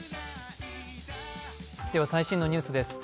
では最新のニュースです。